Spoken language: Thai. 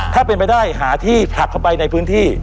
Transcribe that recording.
ถ้าเป็นไปได้หาที่ผลักเข้าไปในพื้นที่